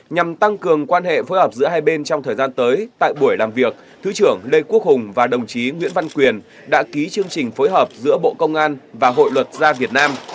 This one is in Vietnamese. nhằm tăng cường quan hệ phối hợp giữa hai bên trong thời gian tới tại buổi làm việc thứ trưởng lê quốc hùng và đồng chí nguyễn văn quyền đã ký chương trình phối hợp giữa bộ công an và hội luật gia việt nam